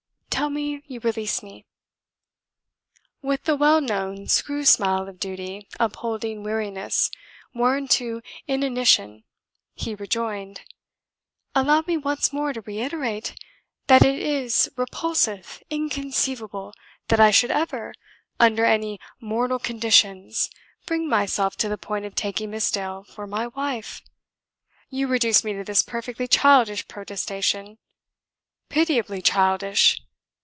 Tell me you release me." With the well known screw smile of duty upholding weariness worn to inanition, he rejoined: "Allow me once more to reiterate, that it is repulsive, inconceivable, that I should ever, under any mortal conditions, bring myself to the point of taking Miss Dale for my wife. You reduce me to this perfectly childish protestation pitiably childish!